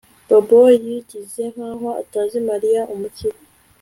Bobo yigize nkaho atazi Mariya umukire